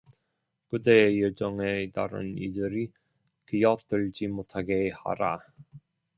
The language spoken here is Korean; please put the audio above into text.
그대의 여정에 다른 이들이 끼어들지 못하게 하라.